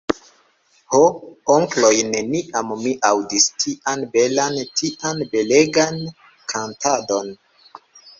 Ho, onkloj, neniam mi aŭdis tian belan, tian belegan kantadon.